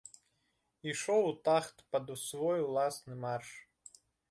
Ішоў у тахт пад свой уласны марш.